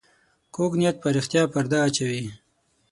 کوږ نیت پر رښتیا پرده واچوي